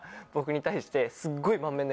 すっごい。